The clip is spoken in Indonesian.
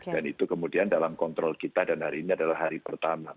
dan itu kemudian dalam kontrol kita dan hari ini adalah hari pertama